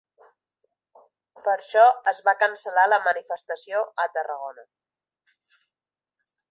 Per això es va cancel·lar la manifestació a Tarragona.